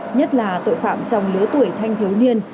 nhất là tội phạm trong lứa tuổi thanh thiếu niên